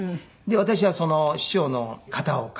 私はその師匠の「片岡」。